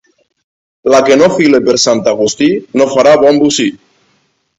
La que no fila per Sant Agustí, no farà bon bocí.